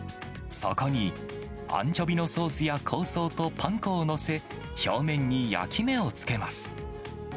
そこに、アンチョビのソースや香草とパン粉を載せ、表面に焼き目をつけます。